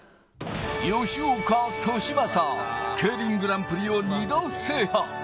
吉岡稔真、競輪グランプリを２度制覇。